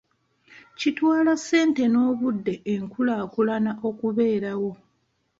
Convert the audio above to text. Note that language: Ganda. Kitwala ssente n'obudde enkulaakulana okubeerawo .